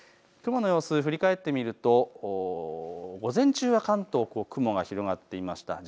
雲の様子を振り返ってみると午前中は関東、雲が広がっていました。